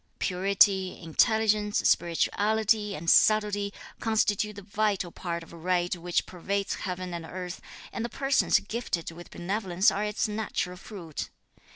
Purity, intelligence, spirituality and subtlety constitute the vital spirit of right which pervades heaven and earth, and the persons gifted with benevolence are its natural fruit.